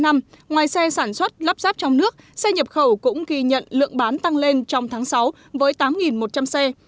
ngoài xe sản xuất lắp ráp trong nước xe nhập khẩu cũng ghi nhận lượng bán tăng lên trong tháng sáu với tám một trăm linh xe